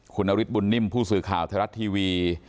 คุณนฤทธบุญนิ่มผู้สื่อข่าวไทยรัฐทีวี